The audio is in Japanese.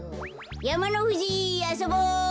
やまのふじあそぼ！